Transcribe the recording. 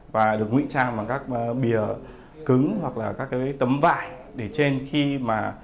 và được ngụy trang bằng các bìa cứng hoặc là các cái tấm vải để trên khi mà